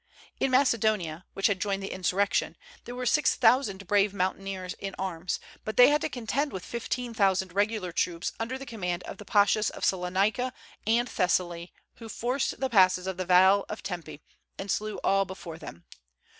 In Macedonia, which had joined the insurrection, there were six thousand brave mountaineers in arms; but they had to contend with fifteen thousand regular troops under the command of the pashas of Salonica and Thessaly, who forced the passes of the Vale of Tempe, and slew all before them.